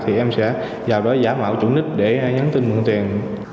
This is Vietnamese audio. thì em sẽ vào đó giả mạo chủ nick để nhắn tin mượn tiền